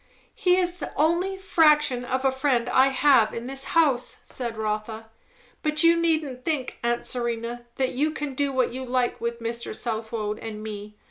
"He is the only fraction of a friend I have in this house," said Rotha. "But you needn't think, aunt Serena, that you can do what you like with Mr. Southwode and me.